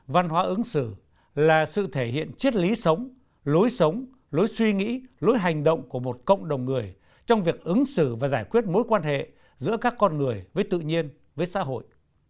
văn hóa ứng xử là sự thể hiện triết lý sống lối sống lối suy nghĩ lối hành động của một cộng đồng người trong việc ứng xử và giải quyết mối quan hệ giữa các con người với tự nhiên với xã hội